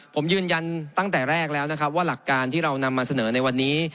ผมยืนยันตั้งแต่แรกแล้วนะครับว่าหลักการที่เรานำมาเสนอในวันนี้